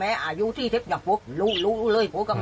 แม่บอกว่าลูกชายไม่ได้ทำ